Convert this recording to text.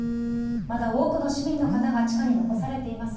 まだ多くの市民の方が地下に残されています。